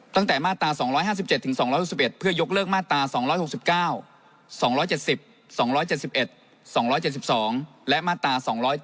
ตั้งแต่มาตรา๒๕๗๒๖๑เพื่อยกเลิกมาตรา๒๖๙๒๗๐๒๗๑๒๗๒และมาตรา๒๗